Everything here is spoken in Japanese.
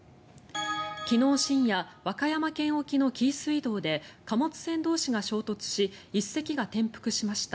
昨日深夜和歌山県沖の紀伊水道で貨物船同士が衝突し１隻が転覆しました。